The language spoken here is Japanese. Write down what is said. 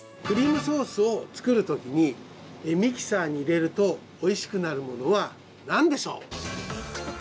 クリームソースを作るときに、ミキサーに入れるとおいしくなるものは何でしょう？